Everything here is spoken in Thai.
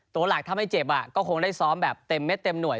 หลักถ้าไม่เจ็บก็คงได้ซ้อมแบบเต็มเม็ดเต็มหน่วย